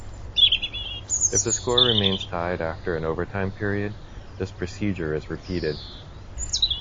If the score remains tied after an overtime period, this procedure is repeated.